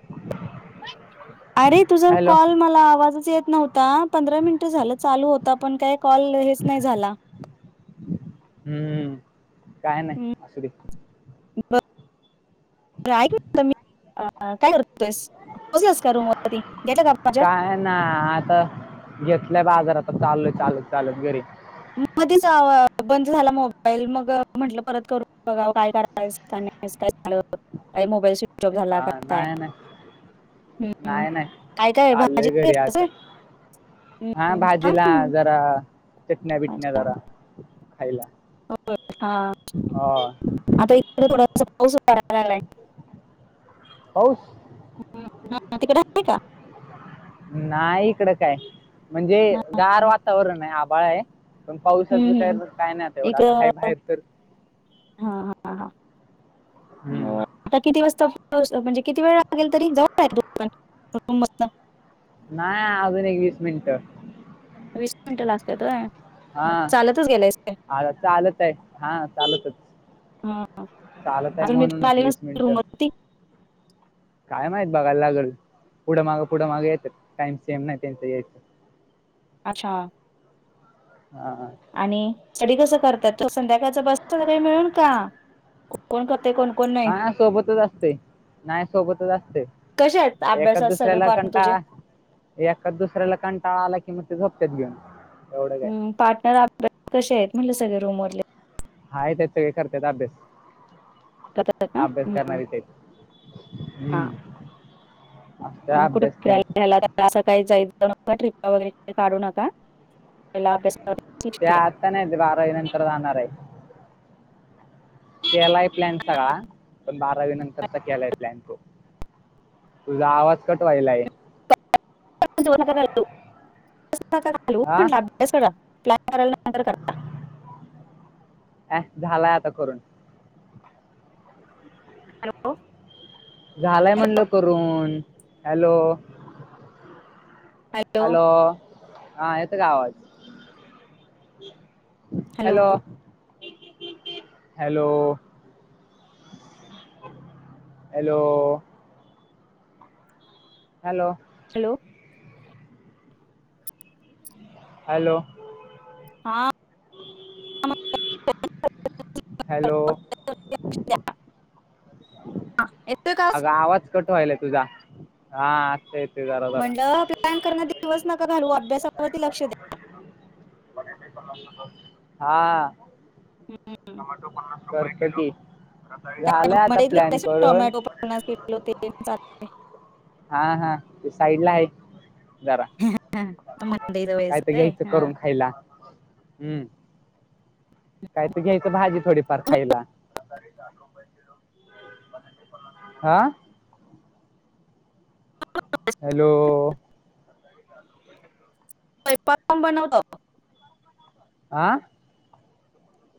[inaudible] अरे तुझा hello call मला आवाजच येत नव्ह ता पंधरा मिनिटं झालं चालू होता पण काय कॉल हेच नाही झाला. हम्म काय हम्म. नाही असुदे. ट्राय करतो मी काय करतोयस पोहोचलास का रूमवरती येतो का? [unintelligible] काय ना आता घेतलंय बाजार आता चाललोय चालत चालत घरी. मधेच बंद झाला मोबाईल मग म्हंटलं परत करून बघावं काय कराय काय [unintelligible] मोबाईल स्वीच हां नाही नाही, हम्म. नाही नाही काय काय भाजी चाललोय घरी घेतलास आता. होय? हां हम्म. भाजीला छान. जरा चटण्या बिटण्या जरा खायला हो बरं हां. होय. आता इकडे थोडासा पाऊस पडायला लागलाय. पाऊस! हम्म. हा, तिकडे आहे का नाही इकडे काय. म्हणजे नाही. गार वातावरण आहे, आभाळ आहे. पण पावसाचं हम्म, काय हम्म. काय नाही, आता एवढं आता आहे बाहेर तर हां हां हां बरं. हम्म आता किती वाजता पोहचतो म्हणजे किती वेळ लागेल तरी? जवळ आहे का दुकान रूम मधन? नाही अजून एक वीस मिनिटं. वीस मिनिटं लागत्यात होय? मग चालतच गेलायस काय हां चालत आहे. हां चालतच हां. चालत आहे म्हणूनच वीस मिनिटं. काय माहीत बघायला लागलं, पुढं मागं पुढं मागे येतात टाईम सेम नाही त्यांच यायचं. अच्छा! हां हां. तुम्ही स्टडी कसं करता, संध्याकाळच बसता सगळे मिळून का? कोण करते कोण कोण नाही हां सोबतच असतंय. नाही सोबतच कसे आहेत असतोय एका अभ्यासात सगळे दुसऱ्याला पार्टनर तुझे कंटाळा एखाद दुसऱ्याला कंटाळा आला की मग ते झोपत्यात घेऊन. एवढं काय पार्टनर आपल्यात कसे आहेत म्हटले सगळे रूम वरले? आहेत आहेत सगळे करतात अभ्यास, करतात ना अभ्यास हम्म. करणारीच आहेत. हम्म. असतं आणि कुठ अभ्यास ते फिरायला गेला काय? अस काही जाईत जाऊ नका, ट्रिपा वैगेरे काढू नका पहिला अभ्यास ते आता नाही ते बारावी नंतर जाणार आहे. केलाय प्लॅन सगळा. पण बारावी नंतरचा केलाय प्लॅन तो, तुझा आवाज कट व्हायलाय. उगाच वेळ नका घालवू, [unintelligible] हा अभ्यास करा पहिला प्लान करायला नंतर करा. हे झालाय आता करून. हॅलो! झालाय हॅलो म्हंटल करून. हॅलो! हॅलो! हां येतं का आवाज? Hello! Hello. Hello! Hello. Hello. Hello. हा [unintelligible] हॅलो [unintelligible] हा, येतोय का [inaudible] आग आवाज कट व्हायलायं तुझा. हा आत्ता येतोय जरा जरा म्हंटल प्लॅन करण्यात दिवस नका घालू, अभ्यासावरती लक्ष द्या. [inaudible] हा. हं करतो की, झालंय आता प्लॅन करून. कुणाच घेतलो ते पण सांग. हा हा. ते साईड ला आहे. जरा मंडईत [inaudible] वयस आयत घ्यायचं हा करून खायला. हम्म काय तर घ्यायचं भाजी थोडीफार खायला. [inaudible] [inaudible] आ हॅलो [inaudible] स्वयंपाक पण बनवतात. आं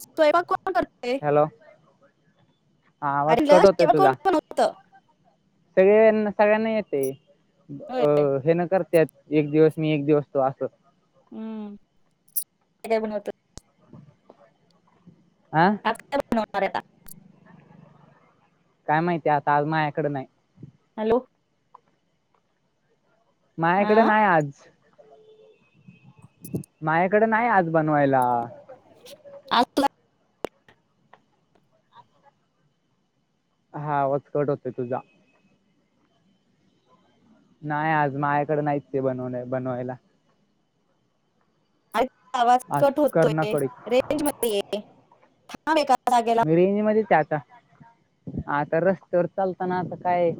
स्वयंपाक पण कोण करतंय? हॅलो. हा आवाज अरे ल, कडकय जेवण कोण तुझा. बनवतं सगळेना सगळ्यांना येते, होय अ हे न करत्यात एक दिवस मी, एक दिवस तु असं. हम्म. काय काय बनवतात? आह [unintelligible] काय माहितीये आता, आज माझ्याकड नाही. हॅलो हा माझ्याकडे नाही आज. माझ्याकडे नाही आज बनवायला. आज हा आवाज कट होतेय तुझा. नाही आज माझ्याकडे नाहीचये बनवण्या बनवायला. अरे तुझा आवाज आज कट होतोय. कर्णाकडे रेंज मध्ये ये. थांब एका जागेवर मी रेंज मध्येच आहे आता. आता रस्त्यावर चालताना आता काय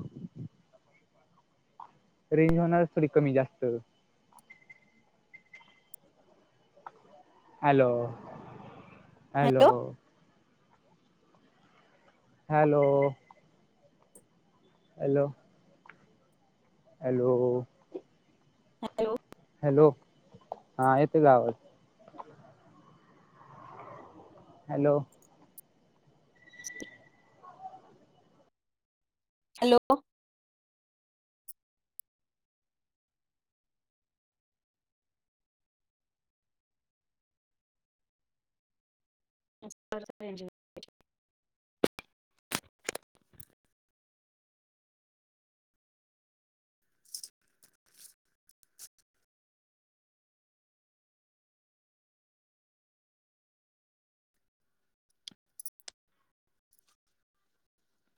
रेंज होणारच थोडी कमी जास्त. Hello [inaudible] hello hello hello hello hello hello [inaudible] हा येतोय का आवाज? हॅलो हॅलो कंद पाहिजे